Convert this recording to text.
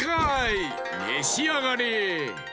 めしあがれ！